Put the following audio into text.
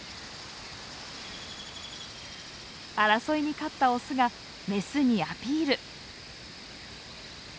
争いに勝ったオスがメスにアピール。